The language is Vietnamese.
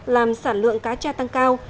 làm sản lượng cá tra tăng cao